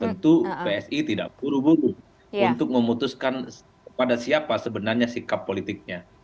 tentu psi tidak buru buru untuk memutuskan pada siapa sebenarnya sikap politiknya